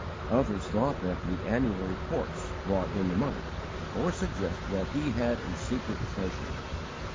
Others thought that the "Annual Reports brought in the money," or suggested that he had "a _secret treasure."